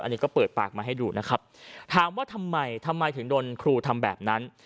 อันนี้ก็เปิดปากมาให้ดูนะครับถามว่าทำไมทำไมถึงโดนครูทำแบบนั้น